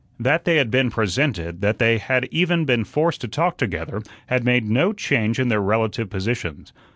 That they had been presented, that they had even been forced to talk together, had made no change in their relative positions.